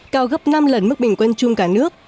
cao gấp năm lần mức bình quân chung cả nước